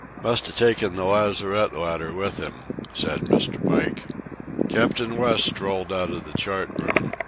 "Must have taken the lazarette ladder with him," said Mr. Pike. Captain West strolled out of the chart room.